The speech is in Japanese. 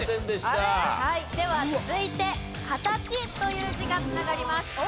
では続いて「形」という字が繋がります。